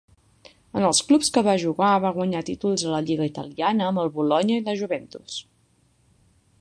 En els clubs que va jugar, va guanyar títols a la lliga italiana amb el Bologna i la Juventus.